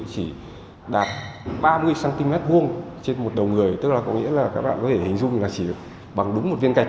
chỉ đạt ba mươi cm hai trên một đầu người tức là có nghĩa là các bạn có thể hình dung là chỉ được bằng đúng một viên gạch